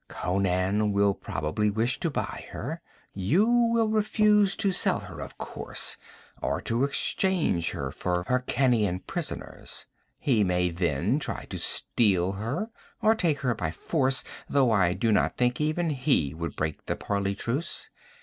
'Conan will probably wish to buy her. You will refuse to sell her, of course, or to exchange her for Hyrkanian prisoners. He may then try to steal her, or take her by force though I do not think even he would break the parley truce.